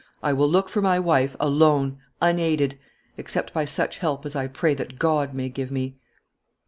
I will look for my wife, alone, unaided; except by such help as I pray that God may give me."